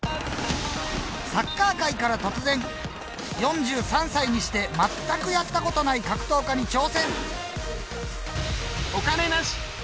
サッカー界から突然４３歳にして全くやった事ない格闘家に挑戦。